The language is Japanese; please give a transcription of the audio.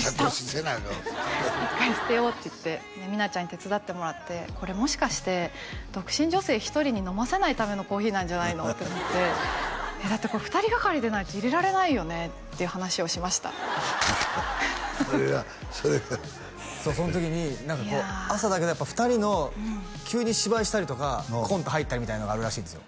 茶こしせなアカンわ「１回捨てよう」って言ってみなちゃんに手伝ってもらってこれもしかして独身女性１人に飲ませないためのコーヒーなんじゃないの？ってなってだってこれ２人がかりでないと入れられないよねっていう話をしましたそれがそれがその時に何かこう朝だけどやっぱ２人の急に芝居したりとかコント入ったりみたいなのがあるらしいんですよ